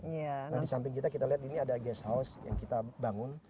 nah di samping kita kita lihat ini ada guest house yang kita bangun